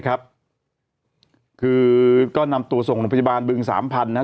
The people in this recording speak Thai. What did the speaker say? คือก็นำตัวส่งหลวงพจบาลเบื้อง๓๐๐๐นะครับ